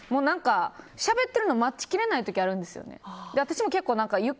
しゃべってるのを待ちきれない時あるんですよね。